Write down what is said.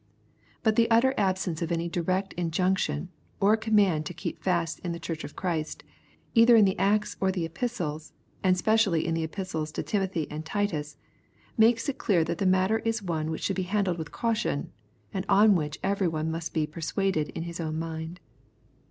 But uie utter absence of any direct injunction, or command to keep fasts in the Ojurch of Christ, either in the Acts or Epistle^ and specially in the Epistles to Timothy and Titus, makes it cleai \hat me matter is one which should be handled with caution, and on which every one must be " persuaded in his own mind."